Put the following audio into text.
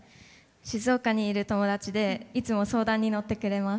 静岡にいる友達でいつも相談に乗ってくれます。